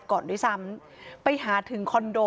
ก่อนด้วยซ้ำไปหาถึงคอนโด